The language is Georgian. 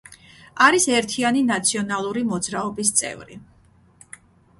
არის ერთიანი ნაციონალური მოძრაობის წევრი.